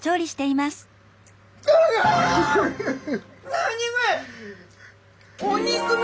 何これ！？